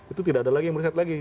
itu tidak ada lagi mereset lagi